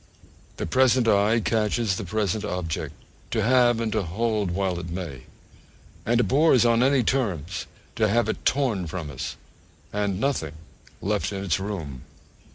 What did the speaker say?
The present eye catches the present object to have and to hold while it may; and abhors, on any terms, to have it torn from us, and nothing left in its room.